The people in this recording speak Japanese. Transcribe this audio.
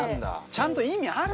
ちゃんと意味あるんだ。